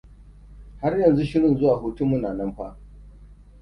Har yanzu shirin zuwa hutunmu na nan fa.